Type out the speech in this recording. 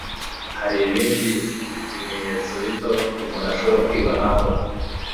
Hari ibindi bimenyetso bito umuntu ashobora kwibonaho